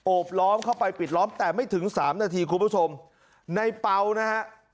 บล้อมเข้าไปปิดล้อมแต่ไม่ถึงสามนาทีคุณผู้ชมในเปล่านะฮะ